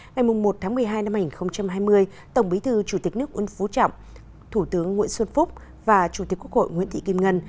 ngày một tháng một mươi hai năm hai nghìn hai mươi tổng bí thư chủ tịch nước uân phú trọng thủ tướng nguyễn xuân phúc và chủ tịch quốc hội nguyễn thị kim ngân